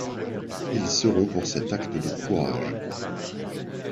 Ils seront pour cet acte de courage.